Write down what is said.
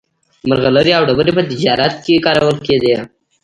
مرغلرې او ډبرې په تجارت کې کارول کېدې.